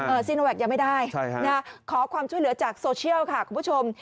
ซีโนแวคยังไม่ได้ใช่ค่ะนะฮะขอความช่วยเหลือจากโซเชียลค่ะคุณผู้ชม